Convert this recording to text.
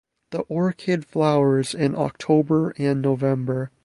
The orchid flowers in October and November.